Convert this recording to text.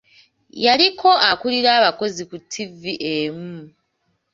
Yaliko akulira abakozi ku ttivvi emu.